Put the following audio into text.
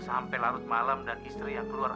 sampai larut malam dan istri yang keluar